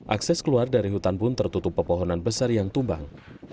akses keluar dari hutan pun tertutup pepohonan besar yang tumbang